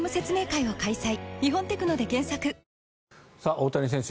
大谷選手